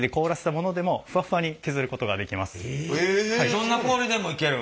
どんな氷でもいける？